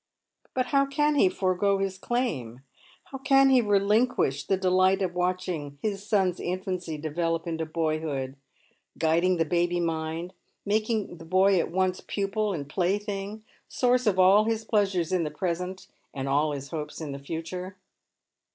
But how can he forego his claim ? How can he relinquish the delight of watching his son's infancy develop into boyhood —• guiding the baby mind, making the boy at once pupil and play thing, source of all his pleasures in the present and all his hopes in the future